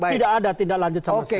tidak ada tindak lanjut sama sekali